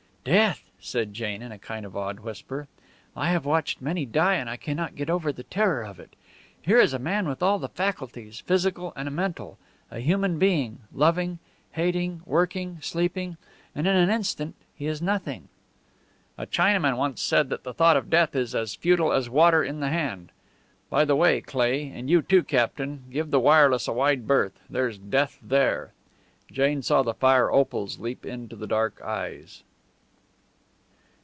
"Death!" said Jane in a kind of awed whisper. "I have watched many die, and I cannot get over the terror of it. Here is a man with all the faculties, physical and mental; a human being, loving, hating, working, sleeping; and in an instant he is nothing!" "A Chinaman once said that the thought of death is as futile as water in the hand. By the way, Cleigh and you too, captain give the wireless a wide berth. There's death there." Jane saw the fire opals leap into the dark eyes.